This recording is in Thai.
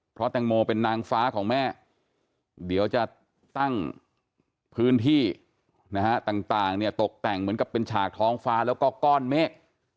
เพราะแตงโมเป็นนางฟ้าของแม่เดี๋ยวจะตั้งพื้นที่นะฮะต่างเนี่ยตกแต่งเหมือนกับเป็นฉากท้องฟ้าแล้วก็ก้อนเมฆ